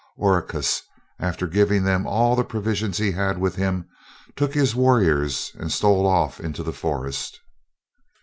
Oracus, after giving them all the provisions he had with him, took his warriors and stole off into the forest.